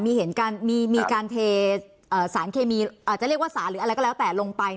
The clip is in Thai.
มีการเทสารเคมีอาจจะเรียกว่าสารหรืออะไรก็แล้วแต่ลงไป